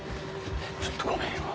ちょっとごめんよ。